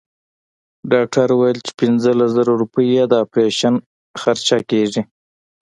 ډاکټر وويل چې پنځلس زره روپۍ يې د اپرېشن خرچه کيږي.